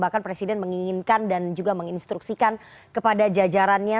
bahkan presiden menginginkan dan juga menginstruksikan kepada jajarannya